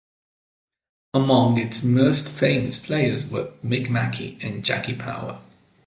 Among its most famous players were Mick Mackey and Jackie Power.